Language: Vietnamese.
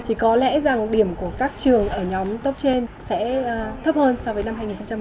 thì có lẽ rằng điểm của các trường ở nhóm top trên sẽ thấp hơn so với năm hai nghìn một mươi tám